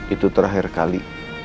itu terakhir kali